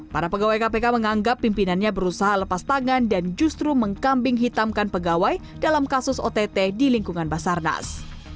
para pegawai kpk menganggap pimpinannya berusaha lepas tangan dan justru mengkambing hitamkan pegawai dalam kasus ott di lingkungan basarnas